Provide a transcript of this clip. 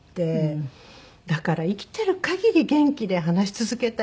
だから生きてる限り元気で話し続けたい。